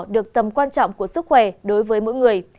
được tầm quan trọng của sức khỏe đối với mỗi người